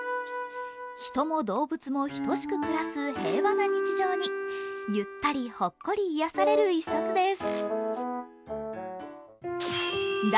人も動物も等しく暮らす平和な日常にゆったり、ほっこり癒やされる一冊です。